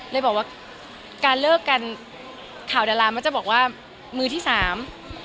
เลยบอกว่าการเลิกกันข่าวดารามักจะบอกว่ามือที่สาม